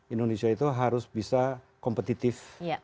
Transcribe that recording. indonesia itu harus bisa kompetitif